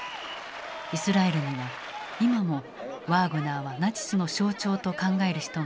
イスラエルには今もワーグナーはナチスの象徴と考える人が数多くいる。